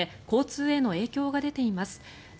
交通への影響が出始めています。